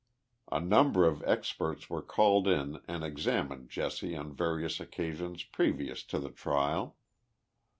A number of experts were called in and examined Jesse on various occasions previous to the trial.